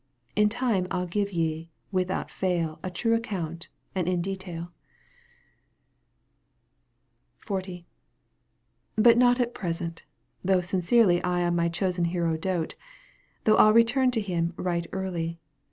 — In time I'n give ye without fail A true account and in detail XL, But not at present, though sincerely I on my chosen hero dote ; Though I'll return to him right early.